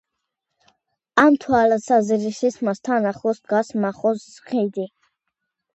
ამ თვალსაზრისით მასთან ახლოს დგას მახოს ხიდი.